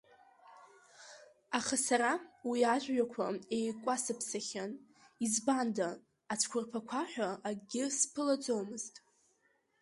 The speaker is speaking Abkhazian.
Аха сара уи ажәҩақәа еикәасыԥсахьан, избанда, ацәқәырԥақәа ҳәа акгьы сԥылаӡомызт.